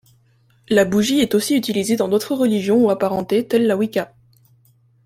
La bougie est aussi utilisée dans d'autres religions ou apparentés, telle la Wicca.